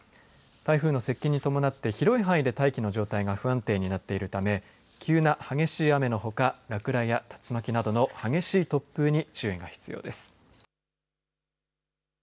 台風の接近に伴って広い範囲で大気の状態が不安定になっているため急な激しい雨のほか、落雷や竜巻などの激しい突風に注意が必要です。